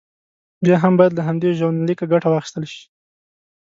بیا هم باید له همدې ژوندلیکه ګټه واخیستل شي.